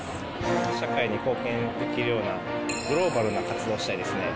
社会に貢献できるような、グローバルな活動したいですね。